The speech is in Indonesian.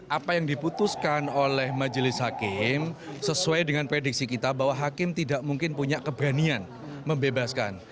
apa yang diputuskan oleh majelis hakim sesuai dengan prediksi kita bahwa hakim tidak mungkin punya keberanian membebaskan